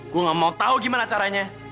gue gak mau tahu gimana caranya